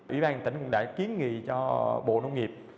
ủy ban tỉnh cũng đã kiến nghị cho bộ nông nghiệp